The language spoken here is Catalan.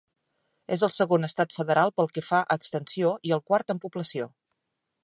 És el segon estat federal pel que fa a extensió i el quart en població.